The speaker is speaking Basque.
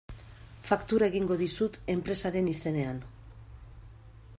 Faktura egingo dizut enpresaren izenean.